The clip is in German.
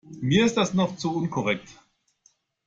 Mir ist das noch zu unkonkret.